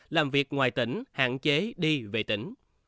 làm việc ngoài tỉnh hạn chế đi về tỉnh